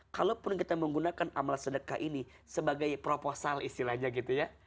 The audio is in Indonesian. kalaupun kita menggunakan amal sedekah ini sebagai proposal istilahnya gitu ya